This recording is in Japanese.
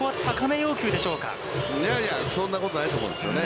いやいやそんなことないと思うんですよね。